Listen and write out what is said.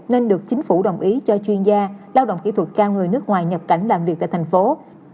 nên được chính phủ đồng ý cho chuyên gia lao động kỹ thuật cao người nước ngoài nhập cảnh làm việc tại tp hcm